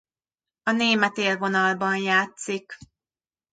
A német élvonalban játszik.